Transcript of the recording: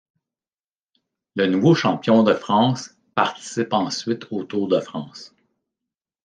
Le nouveau champion de France participe ensuite au Tour de France.